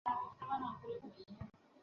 তবে তুমি ছিলে কিংবদন্তি।